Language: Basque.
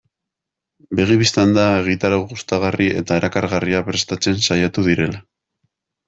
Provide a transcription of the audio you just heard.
Begi bistan da egitarau gustagarri eta erakargarria prestatzen saiatu direla.